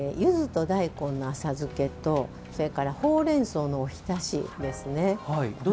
ゆずと大根の浅漬けとほうれんそうのおひたしですね。